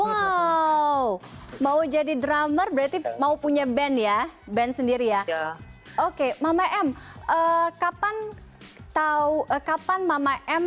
wow mau jadi drummer berarti mau punya band ya band sendiri ya oke mama m kapan tahu kapan mama m